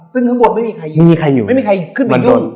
ซึ่งข้างบนไม่มีใครอยู่ไม่มีใครขึ้นไปขึ้น